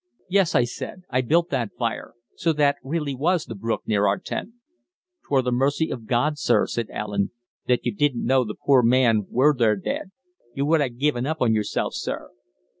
"Yes," I said; "I built that fire so that really was the brook near our tent!" "'Twere th' mercy of God, sir," said Allen, "that you didn't know th' poor man were there dead; you would ha' given up yourself, sir."